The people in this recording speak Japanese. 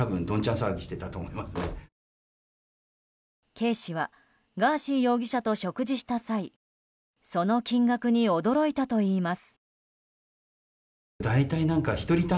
Ｋ氏はガーシー容疑者と食事した際その金額に驚いたといいます。